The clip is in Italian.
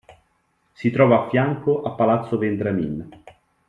Si trova a fianco a Palazzo Vendramin.